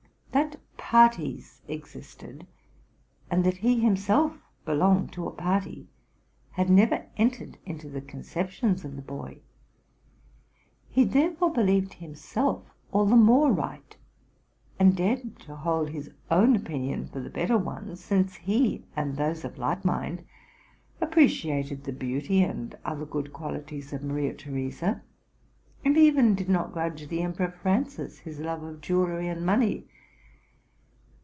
That parties existed, and that he himself belonged to a party, had never entered into the conceptions of the boy. He, there fore, believed himself all the more right, and dared hold his own opinion for the better one; since he and those of like mind appreciated the beauty and other good qualities of Maria Theresa, and even did not grudge the Emperor Francis his love of jewellery and money.